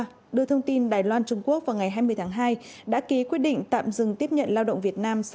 và đưa thông tin đài loan trung quốc vào ngày hai mươi tháng hai đã ký quyết định tạm dừng tiếp nhận lao động việt nam sang